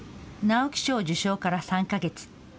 直木賞受賞から３か月。